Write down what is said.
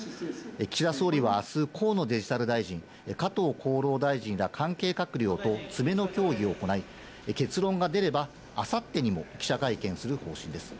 岸田総理はあす河野デジタル大臣、加藤厚労大臣ら関係閣僚と詰めの協議を行い、結論が出れば、あさってにも記者会見する方針です。